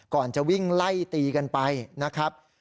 ก่อนจะวิ่งไล่ตีกันไปนะครับ